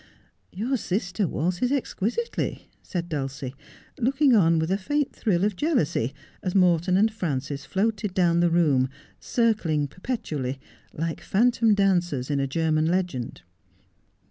'Your sister waltzes exquisitely,' said Dulcie, looking on with a faint thrill of jealousy as Morton and Frances floated down the room, circling perpetually, like phantom dancers in a German legend.